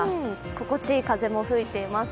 心地いい風も吹いています。